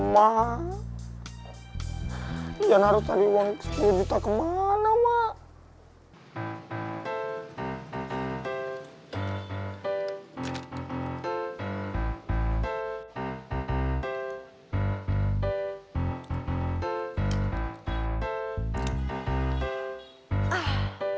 ma yang harus tadi uang sepuluh juta kemana mak